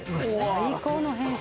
最高の変身。